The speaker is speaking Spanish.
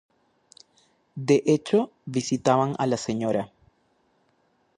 De hecho, visitaban a la Sra.